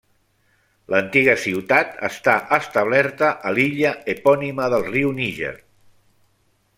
L'antiga ciutat està establerta a l'illa epònima del Riu Níger.